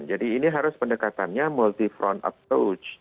jadi ini harus pendekatannya multi front approach